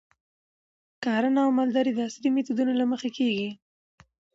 کرنه او مالداري د عصري میتودونو له مخې کیږي.